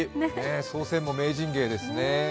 操船も名人芸ですね。